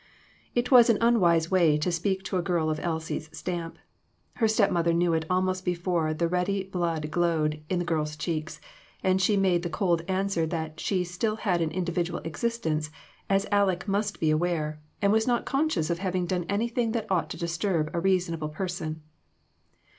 It was an unwise way to speak to a girl of Elsie's stamp. Her step mother knew it almost before the ready blood glowed in the girl's cheeks, and she made the cold answer that "she still had an individual existence, as Aleck must be aware, and was not conscious of having done anything that ought to dicturb a reasonable person."